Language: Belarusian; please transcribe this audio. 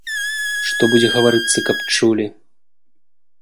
Што будзе гаварыцца, каб чулі.